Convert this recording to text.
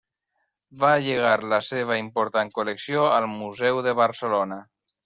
Va llegar la seva important col·lecció al Museu de Barcelona.